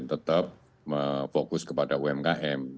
tetap fokus kepada umkm